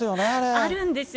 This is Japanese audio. あるんですよ。